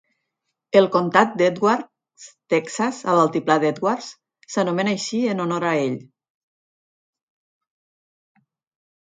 El comtat d'Edwards, Texas, a l'altiplà d'Edwards, s'anomena així en honor a ell.